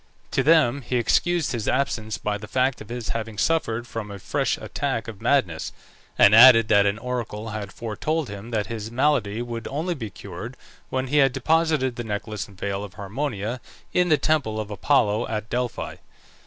To them he excused his absence by the fact of his having suffered from a fresh attack of madness, and added that an oracle had foretold to him that his malady would only be cured when he had deposited the necklace and veil of Harmonia in the temple of Apollo at Delphi.